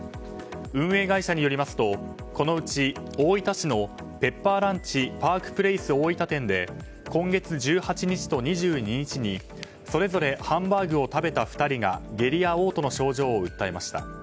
運営会社によりますとこのうち大分市のペッパーランチパークプレイス大分店で今月１８日と２２日にそれぞれハンバーグを食べた２人が下痢や嘔吐の症状を訴えました。